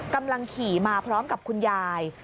กำลังขี่มาพร้อมกับคุณยาย